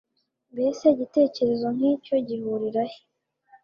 mbese igitekerezo nk'icyo gihurira he